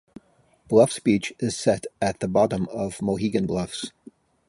Bluffs Beach is set at the bottom of Mohegan Bluffs.